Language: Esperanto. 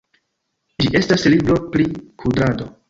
Ĝi estas libro pri kudrado.